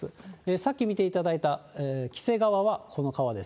さっき見ていただいた黄瀬川は、この川です。